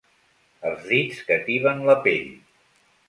Els dits que tiben la pell.